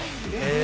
え！